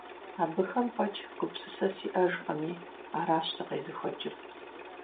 Абыхэм фӀэкӀ гупсысэ сиӀэжкъыми, аращ сыкъезыхуэкӀыр.